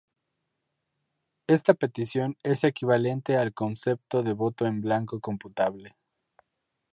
Esta petición es equivalente al concepto de voto en blanco computable.